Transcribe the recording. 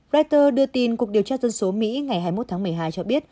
reuters đưa tin cục điều tra dân số mỹ ngày hai mươi một tháng một mươi hai cho biết